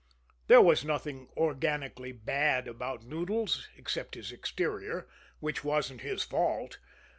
There was nothing organically bad about Noodles, except his exterior which wasn't his fault.